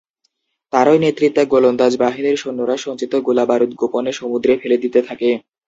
তারই নেতৃত্বে গোলন্দাজ বাহিনীর সৈন্যরা সঞ্চিত গোলাবারুদ গোপনে সমুদ্রে ফেলে দিতে থাকে।